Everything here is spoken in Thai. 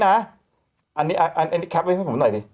อันนี้แคปไว้ให้ผมหน่อยดิ